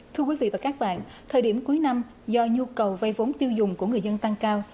thưa quý vị và các bạn thời điểm cuối năm do nhu cầu vay vốn tiêu dùng của người dân tăng cao